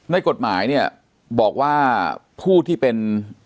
ในกฎหมายเนี่ยบอกว่าผู้ที่เป็น